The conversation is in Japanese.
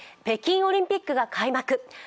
北京オリンピックが開幕。